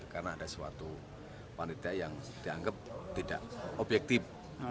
karena ada suatu panitia yang dianggap tidak objektif